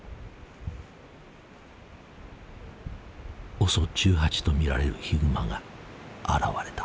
ＯＳＯ１８と見られるヒグマが現れた。